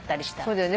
そうだよ。